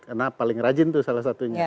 karena paling rajin itu salah satunya